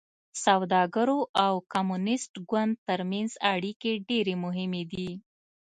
سوداګرو او کمونېست ګوند ترمنځ اړیکې ډېرې مهمې دي.